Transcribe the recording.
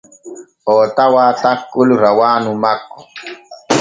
Oo tawaa takkol rawaanu makko.